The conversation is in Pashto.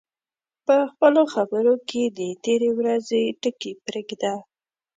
په خپلو خبرو کې د تېرې ورځې ټکي پرېږده